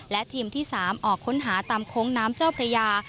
และทีมที่๓ออกค้นหาตามโค้งน้ำเจ้าพระยา